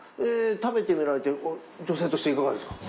食べてみられて女性としていかがですか？